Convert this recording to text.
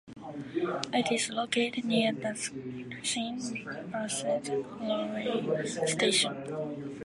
It is located near Dakshin Barasat railway station.